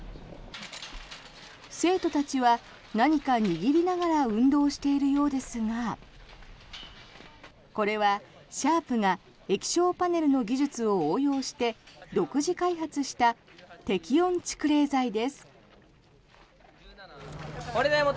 生徒たちは何か握りながら運動しているようですがこれはシャープが液晶パネルの技術を応用して独自開発した適温蓄冷材です。